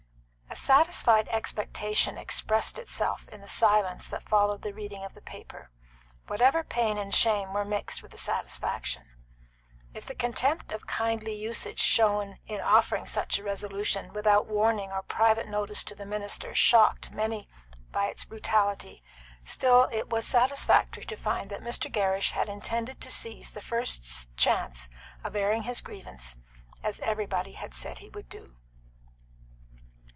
A satisfied expectation expressed itself in the silence that followed the reading of the paper, whatever pain and shame were mixed with the satisfaction. If the contempt of kindly usage shown in offering such a resolution without warning or private notice to the minister shocked many by its brutality, still it was satisfactory to find that Mr. Gerrish had intended to seize the first chance of airing his grievance, as everybody had said he would do.